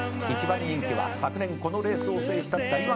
「１番人気は昨年このレースを制した」